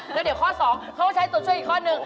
แล้วเดี๋ยวข้อ๒เขาก็ใช้ตัวช่วยอีกข้อหนึ่ง